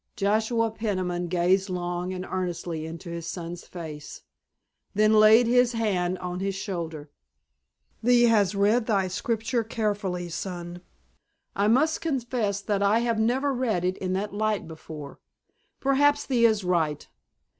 Joshua Peniman gazed long and earnestly into his son's face. Then laid his hand on his shoulder. "Thee has read thy Scripture carefully, son. I must confess that I have never read it in that light before. Perhaps thee is right.